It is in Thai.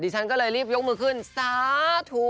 ฉันก็เลยยกมือขึ้นาซะทู